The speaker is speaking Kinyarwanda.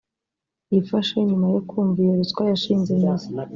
yifashe nyuma yo kumva iyo ruswa yashinze imizi